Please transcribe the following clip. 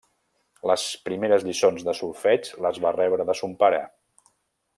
Les primeres lliçons de solfeig les va rebre de son pare.